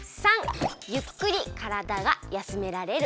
③ゆっくりからだがやすめられる。